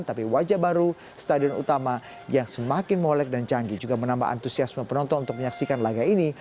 tapi wajah baru stadion utama yang semakin molek dan canggih juga menambah antusiasme penonton untuk menyaksikan laga ini